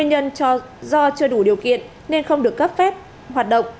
nguyên nhân do chưa đủ điều kiện nên không được cấp phép hoạt động